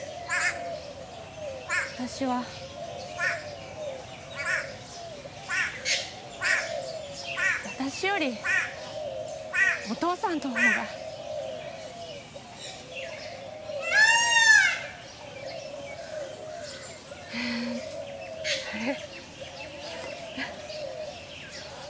私は私よりお父さんの方があれ？